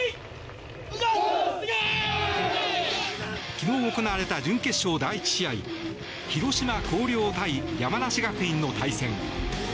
昨日行われた準決勝第１試合広島・広陵対山梨学院の対戦。